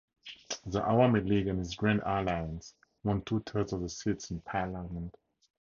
The Awami League and its Grand Alliance won two-thirds of the seats in parliament.